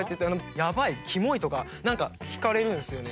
やばい、キモイとかなんか引かれるんですよね。